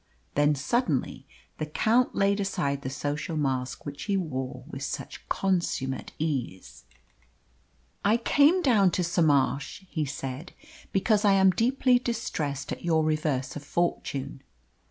Then suddenly the Count laid aside the social mask which he wore with such consummate ease. "I came down to Somarsh," he said, "because I am deeply distressed at your reverse of fortune.